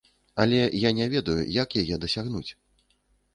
Але я не ведаю, як яе дасягнуць.